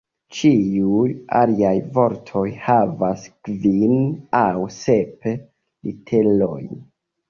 Ĉiuj aliaj vortoj havas kvin aŭ sep literojn.